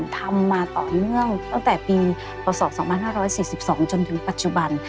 ทำมาต่อเนื่องตั้งแต่ปีพศ๒๕๔๒จนถึงปัจจุบัน